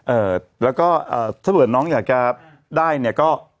เอ่อแล้วก็เอ่อถ้าเผื่อน้องอยากจะได้เนี่ยก็